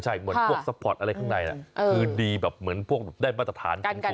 ใช่เหมือนพวกซัพพอร์ตอะไรข้างในคือดีแบบเหมือนพวกได้มาตรฐาน